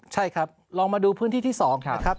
ใช่ครับลองมาดูพื้นที่ที่๒นะครับ